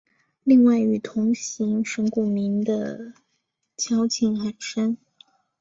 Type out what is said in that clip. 另外与同行神谷明的交情很深。